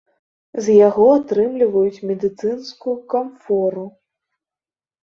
З яго атрымліваюць медыцынскую камфору.